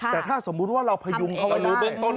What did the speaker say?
แต่ถ้าสมมุติว่าเราพยุงเข้าไว้ได้